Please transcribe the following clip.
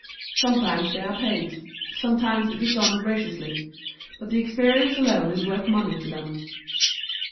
Sometimes they are paid; sometimes it is done gratuitously; but the experience alone is worth money to them.